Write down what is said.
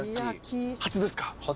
初ですか？